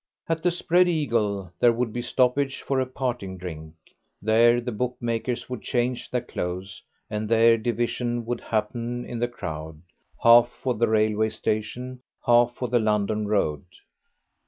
At the "Spread Eagle" there would be stoppage for a parting drink, there the bookmakers would change their clothes, and there division would happen in the crowd half for the railway station, half for the London road.